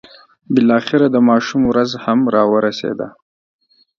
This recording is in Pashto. بالاخره د ماشوم ورځ هم را ورسېده.